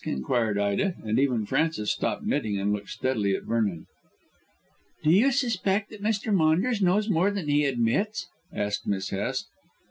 inquired Ida, and even Frances stopped knitting to look steadily at Vernon. "Do you suspect that Mr. Maunders knows more than he admits?" asked Miss Hest.